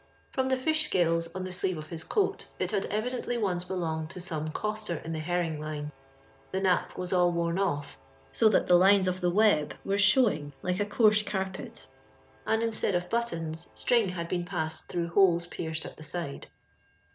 From the fish scales on the sleeves of his coat, it had evidently once belonged to some coster in the herring line. The nap was all worn off, so that the linos of the web were showing like a coarse carpet; and instead of buttons, string hod been passed through holes pierced at the side.